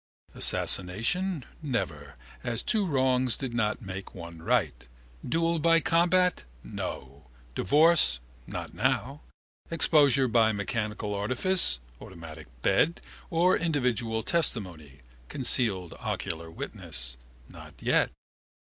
Assassination, never, as two wrongs did not make one right. Duel by combat, no. Divorce, not now. Exposure by mechanical artifice (automatic bed) or individual testimony (concealed ocular witnesses), not yet.